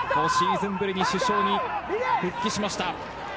５シーズンぶりに主将に復帰しました。